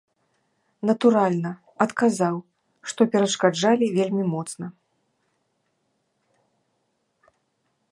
Натуральна, адказаў, што перашкаджалі вельмі моцна.